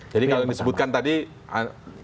jadi kalau disebutkan tadi salah sebenarnya